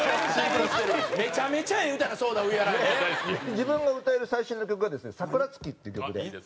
自分が歌える最新の曲がですね『桜月』っていう曲で。